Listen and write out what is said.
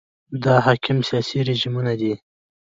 دا حاکم سیاسي رژیمونه دي.